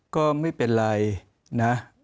ก็ไม่เป็นไรนะ